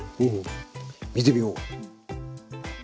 見てみよう。